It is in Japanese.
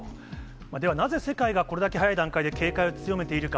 ではなぜ世界がこれだけ早い段階で警戒を強めているか。